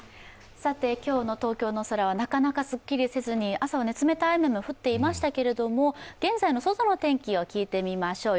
今日の東京の空はなかなかすっきりせずに朝は冷たい雨も降っていましたけれども現在の外の天気を聞いてみましょう。